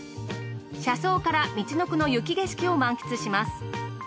車窓からみちのくの雪景色を満喫します。